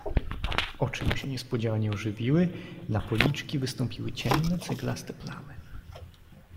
"Oczy mu się niespodzianie ożywiły, na policzki wystąpiły ciemne, ceglaste plamy."